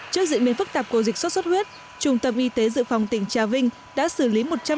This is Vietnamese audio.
trước diễn biến phức tạp của dịch sốt xuất huyết trung tâm y tế dự phòng tỉnh trà vinh đã xử lý một trăm linh